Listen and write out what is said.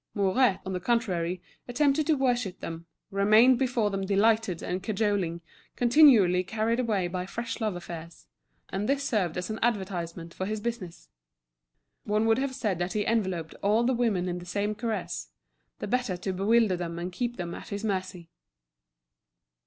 Mouret, on the contrary, attempted to worship them, remained before them delighted and cajoling, continually carried away by fresh love affairs; and this served as an advertisement for his business. One would have said that he enveloped all the women in the same caress, the better to bewilder them and keep them at his mercy.